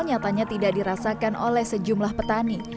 nyatanya tidak dirasakan oleh sejumlah petani